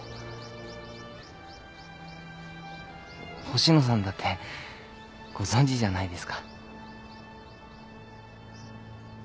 星野さんだってご存じじゃないですか。